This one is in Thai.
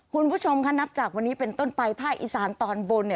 คุณผู้ชมค่ะนับจากวันนี้เป็นต้นไปภาคอีสานตอนบน